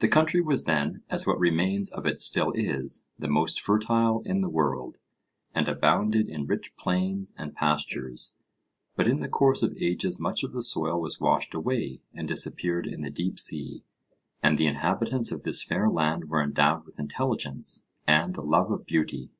The country was then, as what remains of it still is, the most fertile in the world, and abounded in rich plains and pastures. But in the course of ages much of the soil was washed away and disappeared in the deep sea. And the inhabitants of this fair land were endowed with intelligence and the love of beauty.